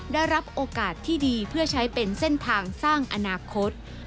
ได้รับโอกาสที่ดีเพื่อใช้เป็นเส้นทางสร้างอนาคต